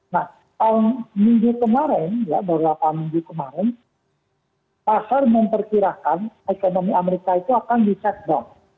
nah minggu kemarin ya beberapa minggu kemarin pasar memperkirakan ekonomi amerika itu akan di shutdown